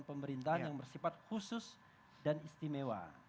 pemerintahan yang bersifat khusus dan istimewa